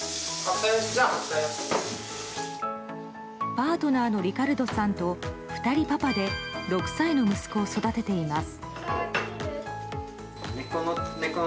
パートナーのリカルドさんとふたりパパで６歳の息子を育てています。